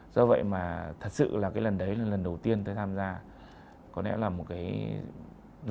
do vậy mà thật sự là cái lần đấy là lần đầu tiên tôi tham gia có lẽ là một cái